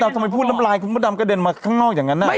ทำไมพูดน้ำลายคุณพระดำกระเด็นมาข้างนอกอย่างนั้น